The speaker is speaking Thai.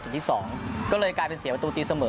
เสียจุดโทษจุดที่๒ก็เลยกลายเป็นเสียประตูตีเสมอ